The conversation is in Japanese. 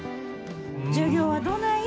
授業はどない？